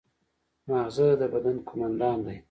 ماغزه د بدن قوماندان دی